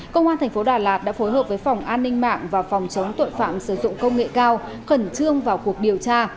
công an thành phố đà lạt đã phối hợp với phòng an ninh mạng và phòng chống tội phạm sử dụng công nghệ cao khẩn trương vào cuộc điều tra